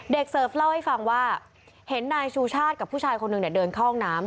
เสิร์ฟเล่าให้ฟังว่าเห็นนายชูชาติกับผู้ชายคนหนึ่งเดินเข้าห้องน้ำ